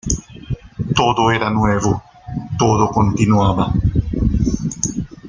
Todo era nuevo, todo continuaba.